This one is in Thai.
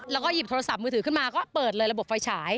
แล้วก็หยิบโทรศัพท์มือถือขึ้นมาก็เปิดเลยระบบไฟฉาย